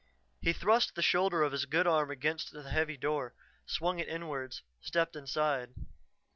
He thrust the shoulder of his good arm against the heavy door, swung it inwards, stepped inside.